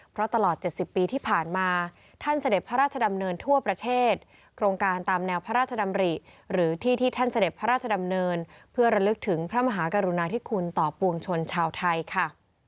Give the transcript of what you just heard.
เพราะตลอด๗๐ปีที่ผ่านมาท่านเสด็จพระราชดำเนินทั่วประเทศโครงการตามแนวพระราชดำริหรือที่ที่ท่านเสด็จพระราชดำเนินเพื่อระลึกถึงพระมหากรุณาธิคุณต่อปวงชนชาวไทยค่ะ